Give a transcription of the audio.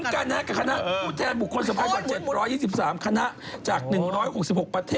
ของคนมิถ้าลองกัน